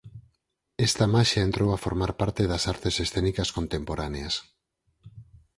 Esta "maxia" entrou a formar parte das artes escénicas contemporáneas.